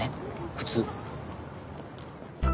普通。